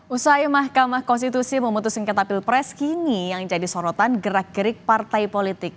usai mahkamah konstitusi memutuskan ketapi pilpres kini yang jadi sorotan gerak gerik partai politik